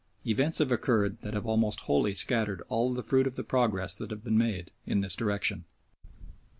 Events have occurred that have almost wholly scattered all the fruit of the progress that had been made in this direction.